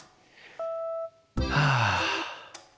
はあ。